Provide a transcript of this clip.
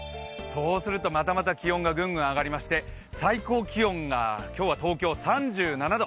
そうすると、またまた気温がグングン上がりまして最高気温が今日は東京３７度。